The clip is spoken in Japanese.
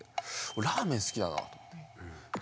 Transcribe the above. ラーメン好きだなと思って。